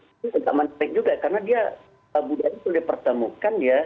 itu agak menarik juga karena dia budaya sudah dipertemukan ya